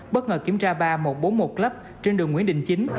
bất ngờ kiểm tra bar một trăm bốn mươi một club trên đường nguyễn đình chính